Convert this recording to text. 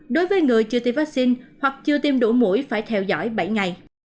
đối với người chưa tiêm vắc xin hoặc chưa tiêm đủ mũi phải theo dõi bảy ngày